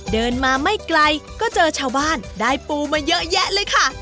เดินมาไม่ไกลก็เจอชาวบ้านได้ปูมาเยอะแยะเลยค่ะ